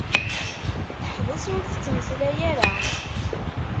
Teḥbes ur tettmeslay ara.